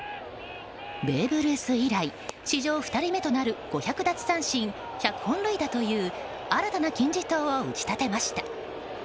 ベーブ・ルース以来史上２人目となる５００奪三振１００本塁打という新たな金字塔を打ち立てました。